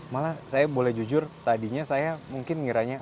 malah saya boleh jujur tadinya saya mungkin ngiranya